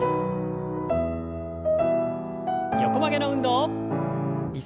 横曲げの運動。